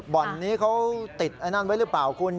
บ่อนนี้เขาติดไอ้นั่นไว้หรือเปล่าคุณ